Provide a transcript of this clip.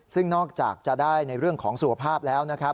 ซึ่งนอกจากจะได้ในเรื่องของสุขภาพแล้วนะครับ